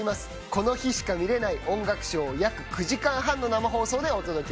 この日しか見られない音楽ショーを約９時間半の生放送でお届けいたします。